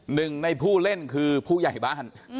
หนึ่งในผู้เล่นคือผู้ใหญ่บ้าน